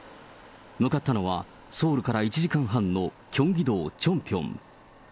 向かったのは、ソウルから１時間半のキョンギ道・チョンピョン。